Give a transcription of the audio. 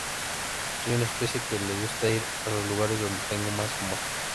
Soy una especie que le gusta ir a los lugares donde tengo más amor.